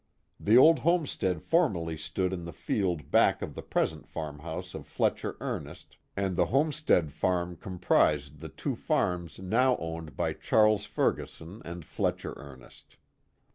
The old homestead formerly stood in the field back of the present farmhouse of Fletcher Ernest, and the homestead 404 The Mohawk Vallev farm comprised the two farms now owned by Charles Ftrga son and Fletcher Ernest.